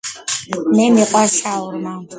მე მიყვარს შაურმა.